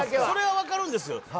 それは分かるんですよ